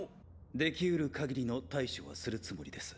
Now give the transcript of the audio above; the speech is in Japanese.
できうる限りの対処はするつもりです。